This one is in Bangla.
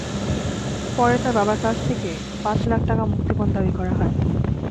পরে তাঁর বাবার কাছে পাঁচ লাখ টাকা মুক্তিপণ দাবি করা হয়।